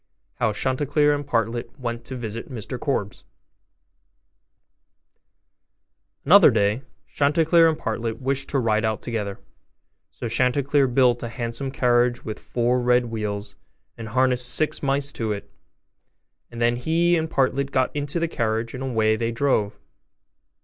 HOW CHANTICLEER AND PARTLET WENT TO VISIT MR KORBES Another day, Chanticleer and Partlet wished to ride out together; so Chanticleer built a handsome carriage with four red wheels, and harnessed six mice to it; and then he and Partlet got into the carriage, and away they drove.